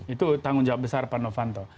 itu tanggung jawab besar pak novanto